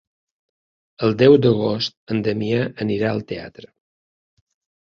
El deu d'agost en Damià anirà al teatre.